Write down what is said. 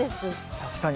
確かに。